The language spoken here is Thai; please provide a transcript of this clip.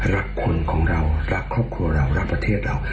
รักคนของเรารักครอบครัวเรารักประเทศเรา